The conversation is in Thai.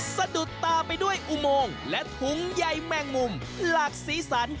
สะดุดตาไปด้วยอุโมงและถุงใยแมงมุมหลากสีสัน